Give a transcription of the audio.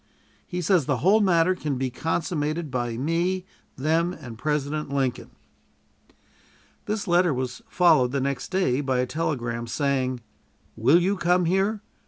He says the whole matter can be consummated by me, them, and President Lincoln. This letter was followed the next day by a telegram, saying: "Will you come here?